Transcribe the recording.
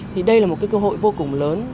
thì đây là một cơ hội vô cùng lớn